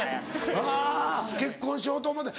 あぁ結婚しようと思うて。